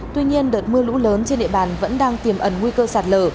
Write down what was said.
tuy nhiên đợt mưa lũ lớn trên địa bàn vẫn đang tiềm ẩn nguy cơ sạt lở